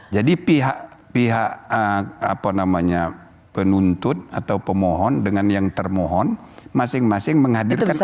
jadi pihak pihak apa namanya penuntut atau pemohon dengan yang termohon masing masing menghadirkan ahli